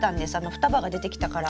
双葉が出てきたから。